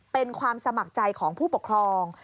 เป็นความสมัครใจของผู้ปกครอง